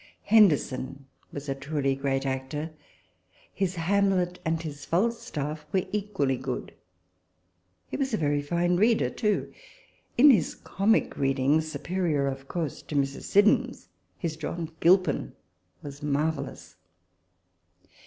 Henderson was a truly great actor ; his Hamlet and his Falstaff were equally good. He was a very fine reader too ; in his comic readings superior, of course, to Mrs. Siddons ; his John Gilpin was mar vellous.